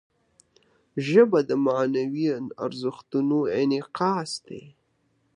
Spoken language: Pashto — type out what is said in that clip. ژبه د معنوي ارزښتونو انعکاس دی